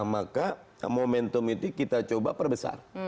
maka momentum itu kita coba perbesar